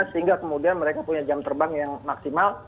sehingga kemudian mereka punya jam terbang yang maksimal